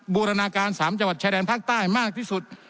บูรณาการ๓จังหวัดชายแดนภาคใต้มากที่สุด